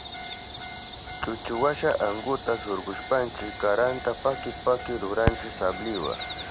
Chuchuwasha ankunta surkushpanchi karanta paki paki ruranchi sabliwa.